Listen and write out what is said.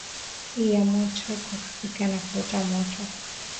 i ya moto kwa kupikia na kuota moto